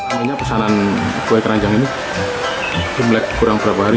awalnya pesanan kue keranjang ini imlek kurang berapa hari